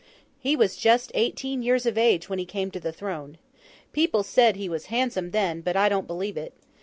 He was just eighteen years of age when he came to the throne. People said he was handsome then; but I don't believe it.